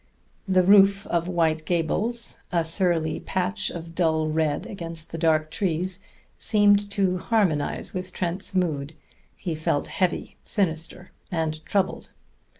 The roof of White Gables, a surly patch of dull red against the dark trees, seemed to harmonize with Trent's mood; he felt heavy, sinister and troubled.